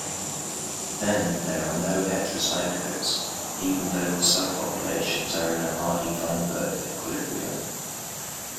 Then, there are no heterozygotes, even though the subpopulations are in a Hardy-Weinberg equilibrium.